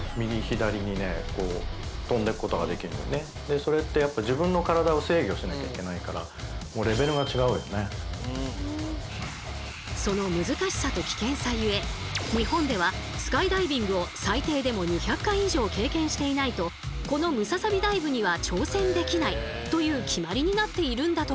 それってやっぱ自分の体を制御しなきゃいけないからその難しさと危険さゆえ日本ではスカイダイビングを最低でも２００回以上経験していないとこのムササビダイブには挑戦できないという決まりになっているんだとか。